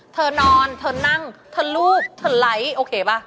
เธอนอนเธอนั่งเธอลูกเธอไลค์โอเคป่ะ